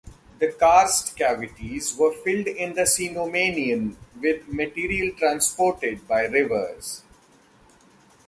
The karst cavities were filled in the Cenomanian with material transported by rivers.